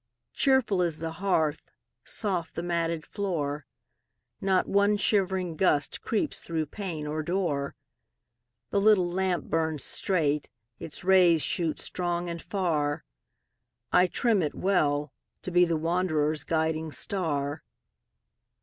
Cheerful is the hearth, soft the matted floor; Not one shivering gust creeps through pane or door; The little lamp burns straight, its rays shoot strong and far: I trim it well, to be the wanderer's guiding star.